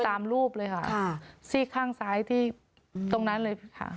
ตามรูปเลยค่ะซีกข้างซ้ายที่ตรงนั้นเลยค่ะ